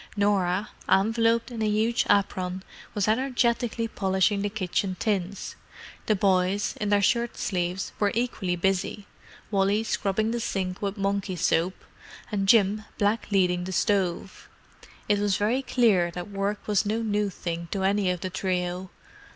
Norah, enveloped in a huge apron, was energetically polishing the kitchen tins; the boys, in their shirt sleeves, were equally busy, Wally scrubbing the sink with Monkey soap, and Jim blackleading the stove. It was very clear that work was no new thing to any of the trio.